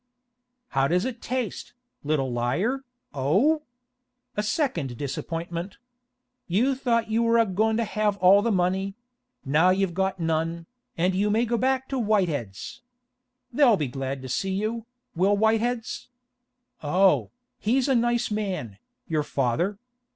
'How does it taste, little liar, oh? A second disappointment! You thought you was a goin' to have all the money; now you've got none, and you may go back to Whitehead's. They'll be glad to see you, will Whitehead's. Oh, he's a nice man, your father!